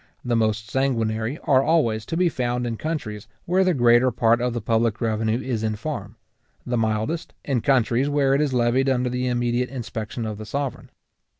The most sanguinary are always to be found in countries where the greater part of the public revenue is in farm; the mildest, in countries where it is levied under the immediate inspection of the sovereign.